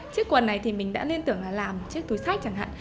chiếc quần này thì mình đã nên tưởng là làm chiếc túi sách chẳng hạn